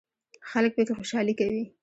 خلک پکې خوشحالي کوي.